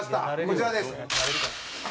こちらです。